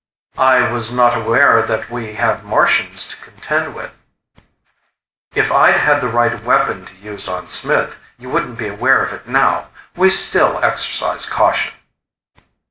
"I was not aware that we have Martians to contend with." "If I'd had the right weapon to use on Smith, you wouldn't be aware of it now. We still exercise caution."